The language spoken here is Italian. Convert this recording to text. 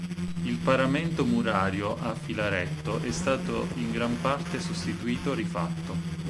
Il paramento murario a filaretto è stato in gran parte sostituito o rifatto.